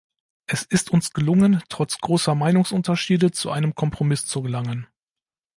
Es ist uns gelungen, trotz großer Meinungsunterschiede zu einem Kompromiss zu gelangen.